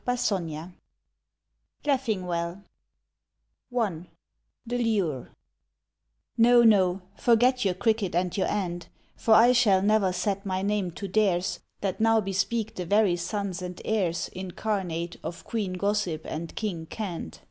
|43( LEFFINGWELL I— THE LURE No, no, — ^forget your Cricket and your Ant, For I shall never set my name to theirs That now bespeak the veiy sons and heirs Incarnate of Queen Gossip and King Cant.